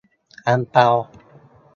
- อั่งเปา